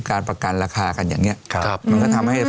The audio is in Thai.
การประกันราคากันอย่างเนีี้ย